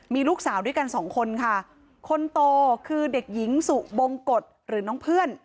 มีลูกสาวด้วยกันสองคนค่ะคนโตคือเด็กหญิงสุบงกฎหรือน้องเพื่อน